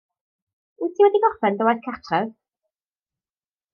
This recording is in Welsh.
Wyt ti wedi gorffen dy waith cartref?